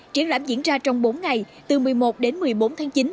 triển lãm diễn ra trong bốn ngày từ một mươi một đến một mươi bốn tháng chín